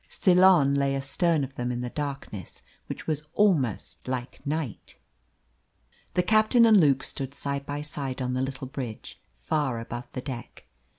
Ceylon lay astern of them in the darkness which was almost like night. The captain and Luke stood side by side on the little bridge, far above the deck.